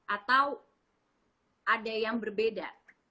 atau ada yang berbeda